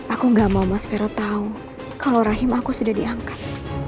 aku nggak mau mas fero tau kalau rahim aku sudah diangkat